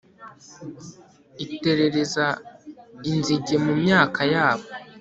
iterereza inzige mu myaka yabo